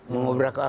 mengobrak ke abrik